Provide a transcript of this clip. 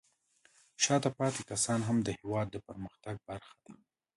شاته پاتې کسان هم د هېواد د پرمختګ برخه دي.